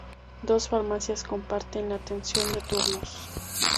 Dos farmacias comparten la atención de turnos.